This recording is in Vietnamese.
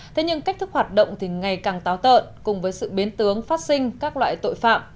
thế nhưng cách thức hoạt động thì ngày càng táo tợn cùng với sự biến tướng phát sinh các loại tội phạm